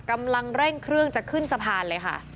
กำลังเร่งเครื่องจะขึ้นสะพานเลยค่ะ